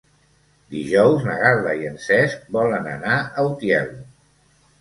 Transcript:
Dijous na Gal·la i en Cesc volen anar a Utiel.